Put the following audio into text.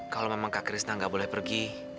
kalau memang kak krisna gak boleh pergi